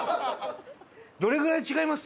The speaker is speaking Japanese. どれぐらい違います？